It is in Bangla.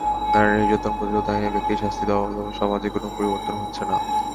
নারী নির্যাতন প্রতিরোধ আইনে ব্যক্তির শাস্তি দেওয়া হলেও সমাজের কোনো পরিবর্তন হচ্ছে না।